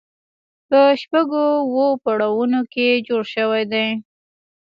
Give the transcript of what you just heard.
په شپږو اوو پوړونو کې جوړ شوی دی.